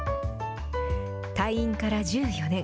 退院から１４年。